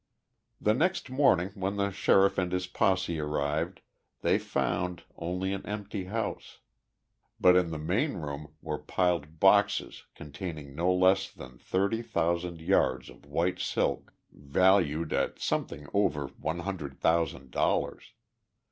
The next morning when the sheriff and his posse arrived they found, only an empty house, but in the main room were piled boxes containing no less than thirty thousand yards of white silk valued at something over one hundred thousand dollars.